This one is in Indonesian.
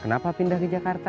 kenapa pindah ke jakarta